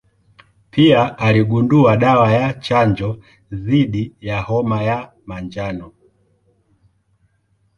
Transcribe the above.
Pia aligundua dawa ya chanjo dhidi ya homa ya manjano.